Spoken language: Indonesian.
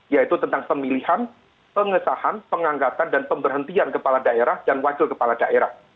yaitu tentang pemilihan pengesahan penganggatan dan pemberhentian kepala daerah dan wakil kepala daerah